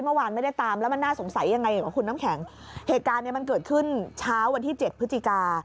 คุณน้ำแข็งเหตุการณ์เนี่ยมันเกิดขึ้นเช้าวันที่เจ็ดพฤติกา